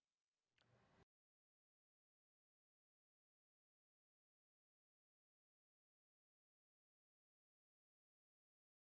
sebelumnya sebuah video yang terlihat di twitter jurnalis sheryl tanzil lengkap dengan informasi tentang keadaan sang bocah